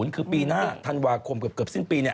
คือปีหน้าธันวาคมเกือบสิ้นปี